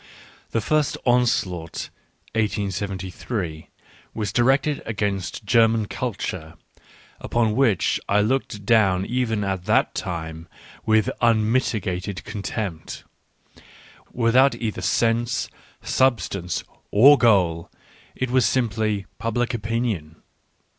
The first onslaught (1873) was directed against German culture, upon which I looked down even at that time with un mitigated contempt Without either sense, sub stance, or goal, it was simply "public opinion."